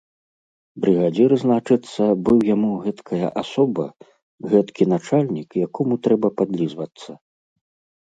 Брыгадзір, значыцца, быў яму гэткая асоба, гэткі начальнік, якому трэба падлізвацца.